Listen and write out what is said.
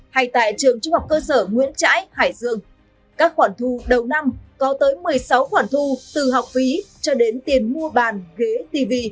hay tại trường trung học cơ sở nguyễn trãi hải dương các khoản thu đầu năm có tới một mươi sáu khoản thu từ học phí cho đến tiền mua bàn ghế tv